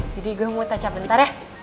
jadi gue mau taca bentar ya